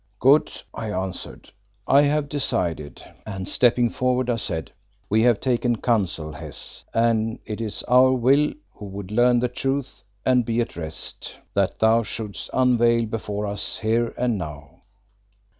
"Good," I answered, "I have decided," and, stepping forward, I said: "We have taken counsel, Hes, and it is our will, who would learn the truth and be at rest, that thou shouldst unveil before us, here and now."